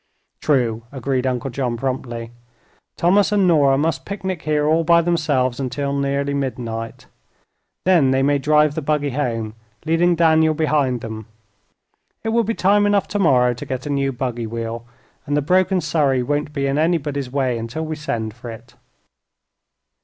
"True," agreed Uncle John, promptly. "Thomas and Nora must picnic here all by themselves, until nearly midnight. Then they may drive the buggy home, leading Daniel behind them. It will be time enough tomorrow to get a new buggy wheel, and the broken surrey won't be in anybody's way until we send for it."